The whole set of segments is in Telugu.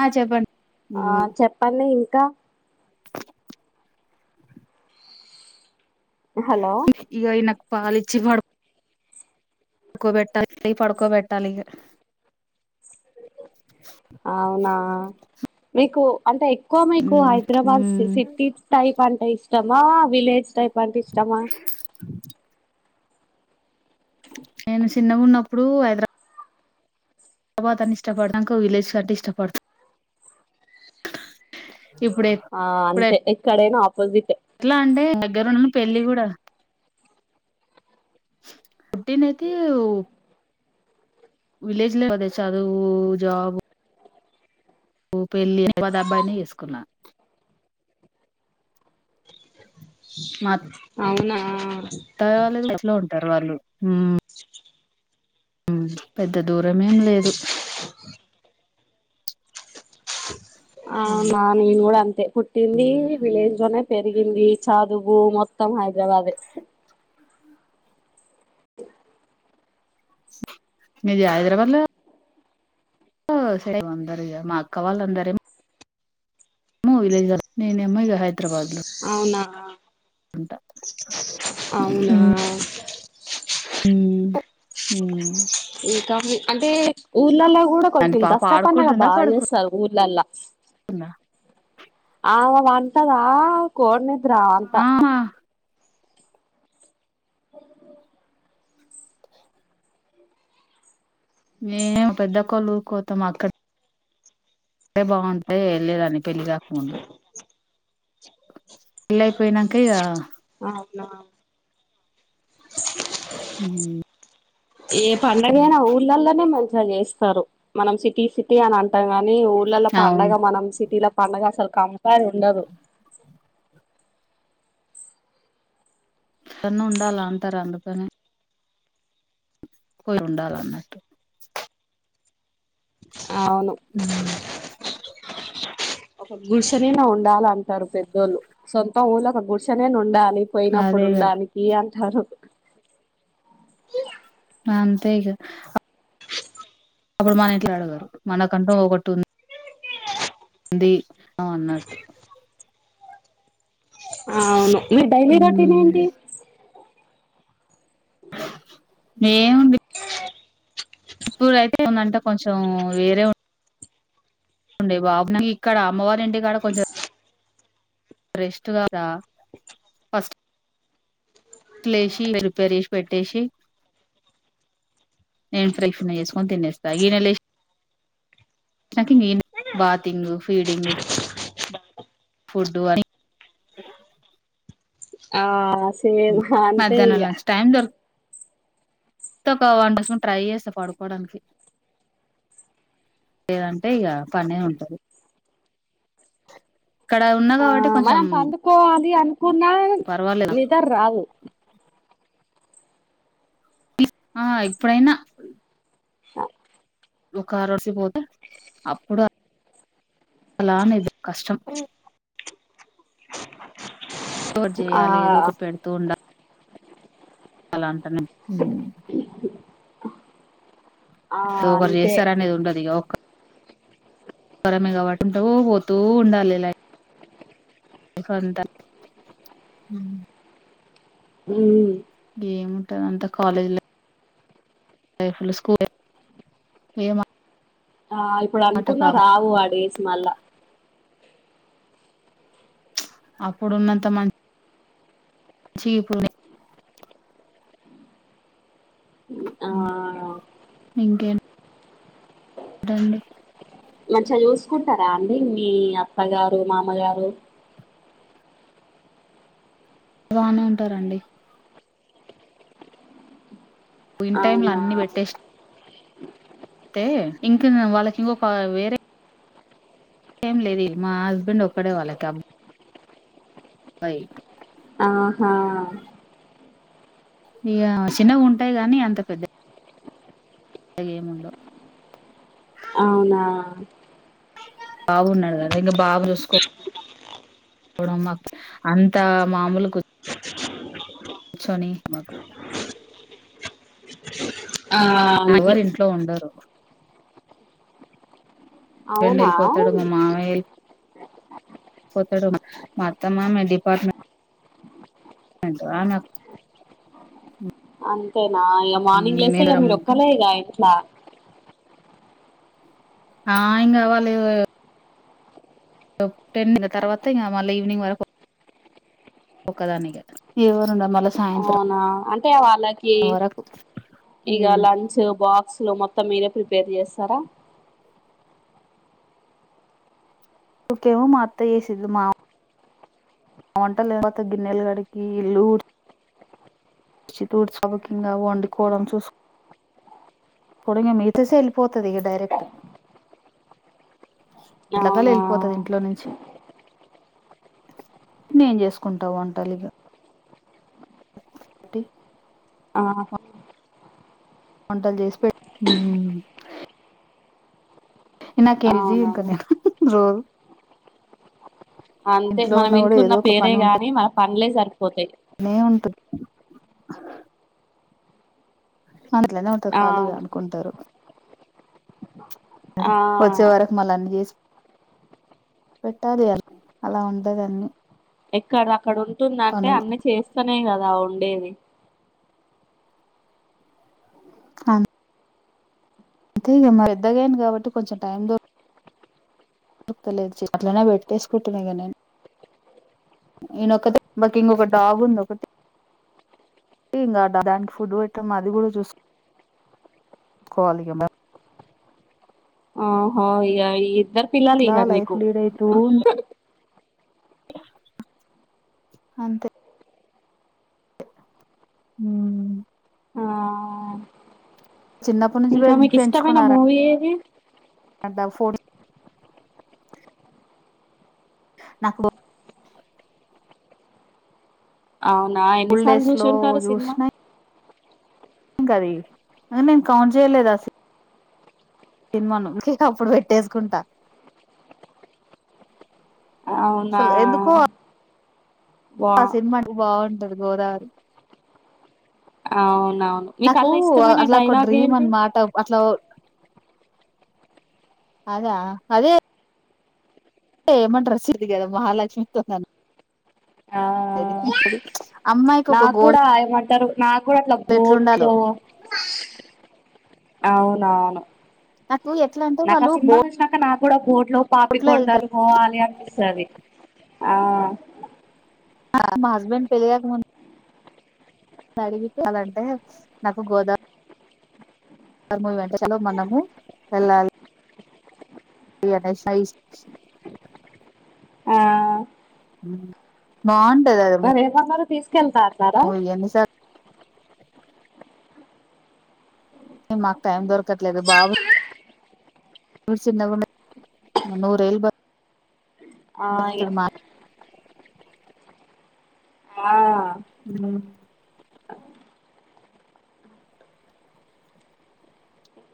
ఆ చెప్పండి ఆ మ్ చెప్పండి ఇంకా హలో పాలచ్చి పడు కోబెట్టాలండి పడుకోబెట్టాలిగా అవునా మీకు అంటే ఎక్కువ మీకు హైదరాబాద్ మ్ సిటీ టైప్ అంటే ఇష్టమా? విలేజ్ టైప్ అంట ఇష్టమా? నేను చిన్నగా ఉన్నప్పుడు హైదరా బాద్ అని ఇష్టపడతా నాకు విలేజ్ కంటే ఇష్టపడతాం ఆ అంతే ఎక్కడైనా ఆపోజిట్ ఎట్లా అంటే దగ్గర ఉండను పెళ్ళి కూడా అంటే నీకి ఒ విలేజ్ లో అది చదువు జాబ్ ఉ పెళ్ళి వద అబ్బాయిని వేసుకున్నా మత్ అవునా దయా లెంది ఇట్లో ఉంటారు వాళ్ళు ఉమ్ పెద్ద దూరం ఎం లేదు ఆనా నేను కూడా అంతే పుట్టింది విలేజ్ లోనే పెరిగింది చదు మొత్తం హైదరాబాద్ మీది హైదరాబాద్ ల బాగుంటరిగా మా అక్క వాళ్ళందరే ను విలేజాల నేనేమో ఇగ హైద్ అవునా అవునా ఉమ్ ఉమ్ ఇంకా మరీ అంటే ఊర్లల్ల కూడా అంటే కొంచెం పాప దసరా పన్నాగ బాగా చేస్తారు ఊర్లల్ల ఉన్నా ఆవ పంటదా కోడ్ననిద్రా అంత ఆ మేము పెద్దక్కొల్ల ఊకోతాం అక్కడ అంటే బాగుంటే వెళ్ళదన్ని పెళ్ళి కాకముందు పెళ్ళ అయిపోయినంక ఇగ అవునా ఉమ్ ఏ పండుగైనా ఊర్ళలోనే మంచిగా చేస్తారు మనం సిటీ సిటీ అని అంటాం కా నీ ఊళ్ళల పండగ అవును మనం సిటీల పండగ అసలు కంపార్ ఉండదు చన్ ఉండాల అంటారు అందుకనె పోయి ఉండాలన్నట్టు అవును ఒక గుడ్షనైన ఉండాల అంటారు పెద్దోళ్ళు సొంత ఊళ్ళో ఒక గుడ్షనైన ఉండాల పోయినప్పుడు అదే కదా ఉండానికి అంటారు ఆ అంతే ఇగా అప్పుడు మన ఇంట్లా అడగారు మనకంటూ ఒకటు ంది అ అన్నట్టు అ అవును మీ డైలీ రొటీన్ ఏంటి ఏం ఉప్పు పెట్టుకుందంట కొంచెం వేరే ఉంది బాబు ఇక్కడ అమ్మవారి ఇంటికాడ కొంచెం రెస్ట్ గాదా ఫస్ట్ అట్లేసి ప్రిపేర్ చెష్ పెట్టేసి నేన్ ప్రేఫ్న్ చేసుకొని తినేస్తా ఈయన లె నాకి ఇంగ్ ఏం బాతింగ్ ఫీడింగ్ ఫుడ్డు ఆసి మెన్ అంతే మధ్యాహ్నం ఈగ ంతోక వన్ టు స్పున్ ట్రై చేస్తా పడుకోడానికి లేదంటే ఇగా పనె ఉంటది ఇక్కడ ఉన్నా కాబట్టి కొంచెం అది అనుకున్నా పర్వాలేదు నిదర్ రాదు ఆ ఇప్పుడైనా ఒక్కా రోడ్సి పోతే అప్పుడ అలాను ఇద్ కష్టం ఒకటి ఆ చేయాలి ఏదో ఒకటి పెడుతూ ఉండాలి అలా అంటాన ఉమ్ ఆ ఒకరు అంతే చేస్తారనేది ఉండదు ఇగ ఒక్ తర మగవాటుంటూ పోతూ ఉండాలిలా ఇకొంత మ్ ఏముంటందంత కాలేజ్ లే లైఫలా స్కోర్ ఏమా ఆ ఇప్పుడనుకున్నా రావు ఆ డేస్ మళ్ళా అప్పుడున్నంత మన్ జీపూనె ఆ మ్ ఇంకే బొండే మంచిగ చూసుకుంటారా అండి మీ అత్తగారు మామగారు బానే ఉంటారండి పోయిన్ టైం లో అవునా అన్ని పెట్టేసిన్ తే ఇంకన్ వాళ్ళకి ఇంకొక వేరే ఏం లేది మా హస్బెండ్ ఒక్కడే వాళ్ళకబ్ బైట్ ఆహా ఇగ చిన్నగుంటాయి గాని అంత పెద్ద అయ్యేముండవ్ అవ్నా బాగున్నాడు కదా ఇంగ బాగ జూస్కో చూడమమ్మా అంతా మామూలుకు కూర్చొనీద్ మాకు ఆ అంతే అవరింట్లో ఉండరు ఫ్రెండ్ అవునా ఎలిపోతాడు మీ మావయ్య ఎల్ పోతాడు మా అత్త మామ డిపార్ట్మె అంటూ ఆనక్ అంతేనా ఇగ మార్నింగ్ లేస్తే ఇక మీరు రమ్మంటూ ఒక్కలే ఇగ ఇంట్లా ఆ ఇంగవ్వలె [inaudible] టెన్ ఇంక తర్వాతింగ మళ్ళివినింగ్ వరకు ఒక్కదాన్నే గదా ఎవ్వరుండరు మళ్ళా సాయంత్రం అ అంటే వాళ్ళకి వరకు ఇగ లంచ్ బాక్ క్స్ మొత్తం మీరే ప్రిపేర్ చేస్తారా ళ్కేమో మా అత్తయ్యేసిద్ది మా వంటలేకపోతే గిన్నెల్ గడిగి ఇల్లూడ్ [inaudible] వండుకోవడం చూస్ కొడింగ మీ తీసి ఎళ్ళిపోతది ఇక డైరెక్ట్ అవునా ఎట్లకాలెళ్ళిపోతది ఇంట్లో నుంచి నేన్ జేస్కుంటా వంటలిగ టీ ఆ వంటల్ జేసి పె ఉ ఇన్నాకే విజీం అవునా కద రో అంతే మనం ఇంట్లున్న పేరే గాని మన పనులే సరిపోతయి. నే ఉంటుది అందుట్లనే ఉంటారు ఆ ఖాళీగా అనుకుంటారు. అదే ఆ వచ్చేవరకు మల్లన్నీ చేసు పెట్టాలి అల్ అలా ఉంటదన్ని ఎక్కడ అక్కడ ఉంటుందంటే అన్నీ చేస్తేనే కదా ఉండేది. ఆన్ అంతేగా మరి ఇద్దగాను కాబట్టి కొంచెం టైమ్ దో దొరకతలేదు ఇట్లనే పెట్టేసుకుంటున్నా ఇగ నేను ఈయనొకతి మాకి ఇంకొక డాగ్ ఉంది ఒకటి ఇంకా దానికి ఫుడ్ పెట్టడం అది కూడా చూసుకో చూసుకోవాలి గా మరి ఆహో ఇగ ఈ ఇద్దరు అట్లా పిల్లలేగా ఇగ లైఫ్ నీకు లీడ్ అయితూ హహ్ ఉంది అంతే హు ఆ చిన్నప్పటి నుంచి పె ఇంకా మీకు ఇష్టమైన మూవీ ఏది? అన్ దా ఫోన్ చే నాకు అవునా స్కూల్ ఎన్నిసార్లు డేస్ లో చూసుంటారు సినిమా? ఇంకది ఆ నేను కాల్ చేయలేదు అస సినిమాను ఇంకికా అప్పుడు పెట్టేసుకుంటా అవునా అసలు ఎందుకో బా ఆ సినిమాంట బావుంటది గోదారి ఆవును నాకు అట్లా ఒక డ్రీమ్ అన్నమాట అట్లా ఓ అదా అదే ఏమంట రస్ ఇదిగా అదా మహాలక్ష్మితో నన్ ఎదిట్ని కాదు నా కూడా ఏమంటారు నా కూడా అట్లా ఎట్లుండాలో బోట్లు అవున నాకు ఎట్లా అంటే నాకు ఆ వాళ్ళు సినిమా నచ్చినాక నా కూడా బోట్లో పాప బోట్ లో వెళ్తారు కొండను పోవాలి అనిపిస్తది ఆ మా హస్బెండ్ పెళ్లియక్ ముం అడిగి కాలంటే నాకు గోదావరి నాకు మూవీ అంటే చలో మనము వెళ్ళాలి. ఇ ఎనే సైస్ ఆ బాన్ మరి ఏమన్నారు తీసుకెళ్తా అన్నారా? మూవీ ఎన్నిసార్లు న మాకు టైమ్ దొరకత్లేద బాబు నువ్ చిన్నగ ఉన్నే నూరేళ్లు బా ఆయిగా ఆ అ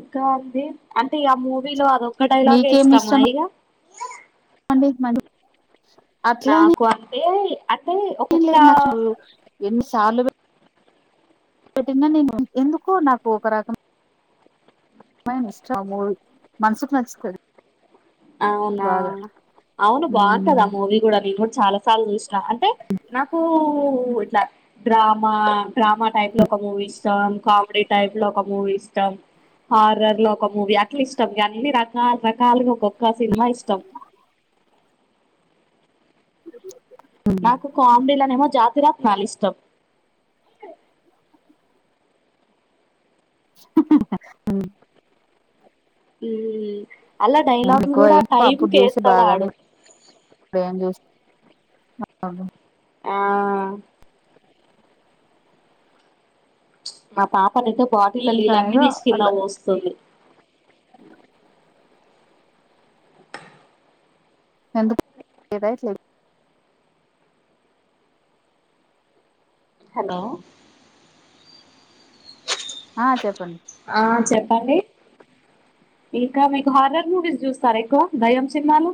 ఇంకా అంది అంటే ఆ మూవీలో అదొక్క డైలాగే మీకేమి ఇస్తామా ఇష్టం ఇగ అండి మదు నాకు అంతే ఏం లేదు నాకు చొళ్లు ఎన్నిసార్లు బట్టిన్న నీన్ ఎందుకో నాకు ఒక రకం బై మిష్టక్ మనసుకి నచ్చుతది అవునా బాగా అవును బాఉంటది అ మూవి కూడాని చాలా సార్లు చూసిన అంటే నాకు ఇట్లా డ్రా మా డ్రామా టైప్ లో ఒక మూవీ ఇష్టం కామెడీ టైప్ లో ఒక మూవీ ఇష్టం హారర్ లో ఒక మూవీ అట్లిష్టం అన్ని రకాల రకాలుగా ఒక్కొక్క సినిమా ఇష్టం నాకు కాండిలానేమో జాతిరాత్నాల్ ఇష్టం ఉ ఉ అల్ల డైలాగ్లు ఎక్కువ కూడా ఏం టైమ్ అప్పుడు చూసి కెస్తడాడు ఆ ఆ మా పాప నైతే బాటిల ఇంకా లిళ్ళన్ని ఏదో తీసి కింద అట్లా పోస్తుంది ఎందు ఏదైట్లే హలో ఆ చెప్పండి ఆ చెప్పండి ఇంకా మీకు హారర్ మూవీస్ చూస్తారా ఎక్కువ దయ్యం సినిమాలు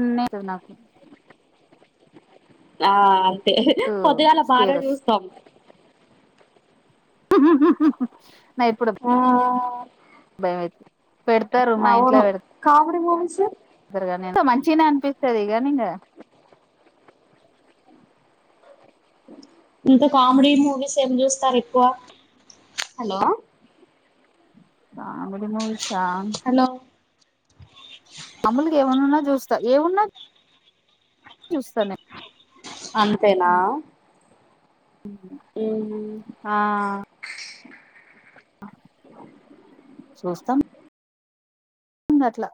ఉన్న నాకు ఆ అంతే ఇటు పొద్దుగాలా స్కేర్ ఫారన్ వస్తు చూస్తాం నా ఎప్పుడు ఆ భయమయై పెడతారు మా ఇంట్ల అవును కామెడీ మూవీస్ పెడ్తరు అంత మంచిగినె అనిపిస్తది గని ఇంగ ఇంత కామెడీ మూవీస్ ఏమ్ చూస్తారు ఎక్కువ హలో కామిడి మూవీస్ ఆహ్ హలో ఏమన్నా చూస్తా ఏమున్నాద్ చూస్తా నే అంతేనా ఆ చూస్తాం అట్లా